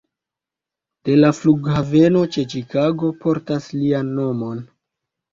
De la flughaveno ĉe Ĉikago portas lian nomon.